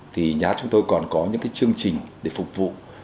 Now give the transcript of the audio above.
thì nhà chúng tôi còn có những cái chương trình để phục vụ